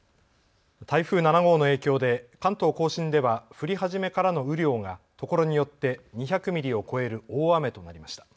台風７号の影響で関東甲信では降り始めからの雨量がところによって２００ミリを超える大雨となりました。